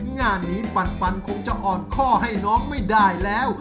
งานนี้ปันคงจะอ่อนข้อให้น้องไม่ได้แล้ว